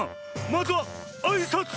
まずはあいさつ！